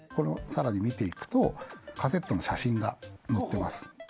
さらに見ていくとカセットの写真が載ってます。